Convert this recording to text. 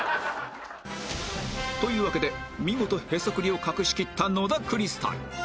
というわけで見事へそくりを隠しきった野田クリスタル